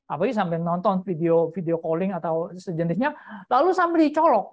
apalagi sambil nonton video calling atau sejenisnya lalu sambil dicolok